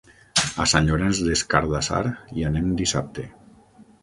A Sant Llorenç des Cardassar hi anem dissabte.